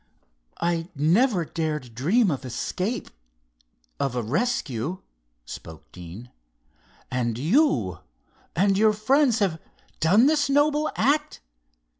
"I never dared dream of escape, of a rescue," spoke Deane. "And you and your friends have done this noble act!